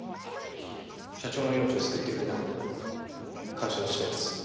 社長の命を救ってくれたこと感謝はしてます。